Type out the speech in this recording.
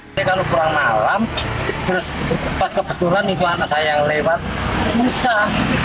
kalau pulang malam kemudian ke keputran itu anak saya yang lewat susah